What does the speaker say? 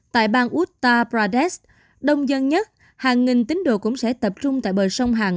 tại bang uttar pradesh đông dân nhất hàng nghìn tính đồ cũng sẽ tập trung tại bờ sông hàn